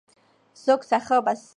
ზოგ სახეობას სარეწაო მნიშვნელობა აქვს.